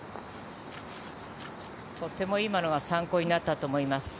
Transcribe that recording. とても今のが参考になったと思います。